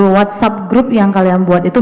whatsapp group yang kalian buat itu